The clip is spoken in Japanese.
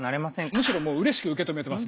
むしろうれしく受け止めてます。